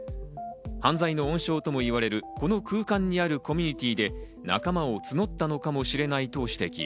犯罪の温床ともいわれるこの空間にあるコミニティーで仲間を募ったのかもしれないと指摘。